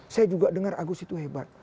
saya juga dengar agus itu hebat